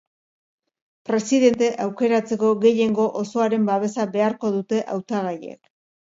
Presidente aukeratzeko gehiengo osoaren babesa beharko dute hautagaiek.